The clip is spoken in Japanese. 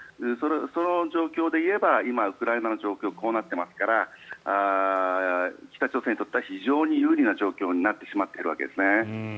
その状況でいえば今、ウクライナの状況がこうなっていますから北朝鮮にとっては非常に有利な状況になっているわけですよね。